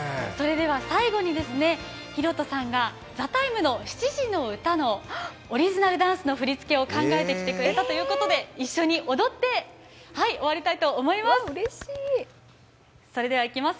最後に寛飛さんが「ＴＨＥＴＩＭＥ，」の「７時のうた」のオリジナルダンスの振り付けを考えてきてくれたということで一緒に踊って終わりたいと思います。